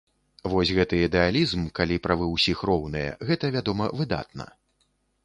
Вось гэты ідэалізм, калі правы ўсіх роўныя, гэта, вядома, выдатна.